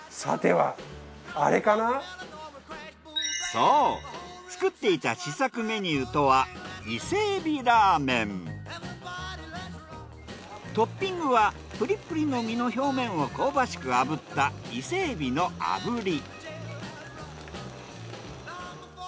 そう作っていた試作メニューとはトッピングはプリプリの身の表面を香ばしく炙った伊勢海老の炙り。